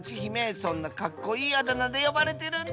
そんなかっこいいあだなでよばれてるんだ！